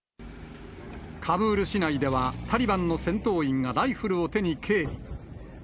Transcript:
カブール市内ではタリバンの戦闘員がライフルを手に警備。